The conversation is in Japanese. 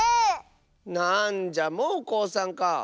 なんじゃもうこうさんか。